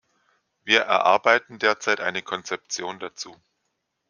Wir erarbeiten derzeit eine Konzeption dazu.